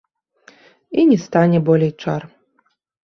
І не стане болей чар.